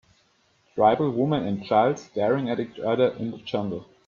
Tribal woman and child staring at each other in the jungle.